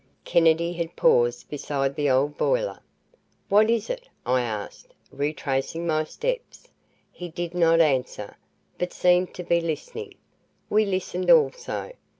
Kennedy had paused beside the old boiler. "What is it?" I asked, retracing my steps. He did not answer, but seemed to be listening. We listened also.